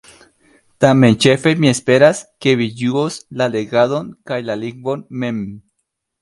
Tamen ĉefe mi esperas, ke vi ĝuos la legadon, kaj la lingvon mem.